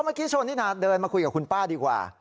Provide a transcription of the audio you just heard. เมื่อกี้ชนนินาเดินมาคุยกับคุณป้าดีกว่า